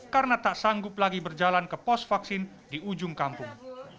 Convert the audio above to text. karena tak sanggup lagi berjalan ke pos vaksin di ujung kampung